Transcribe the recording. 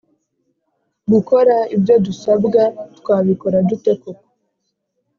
gukora ibyo dusabwa Twabikora dute koko